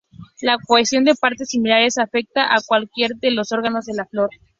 La cohesión de partes similares afecta a cualquiera de los órganos de la flor.